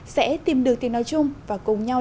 sẽ tìm được tiền nói chung và cùng nhau